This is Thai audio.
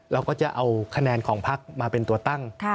เราก็จะเอาคะแนนของพักมาเป็นตัวตั้ง